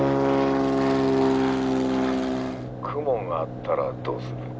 雲があったらどうする？